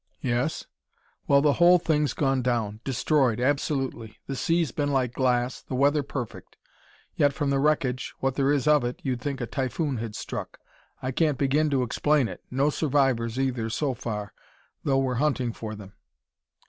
"Yes?" "Well, the whole thing's gone down! Destroyed, absolutely! The sea's been like glass, the weather perfect yet from the wreckage, what there is of it, you'd think a typhoon had struck! I can't begin to explain it. No survivors, either, so far, though we're hunting for them."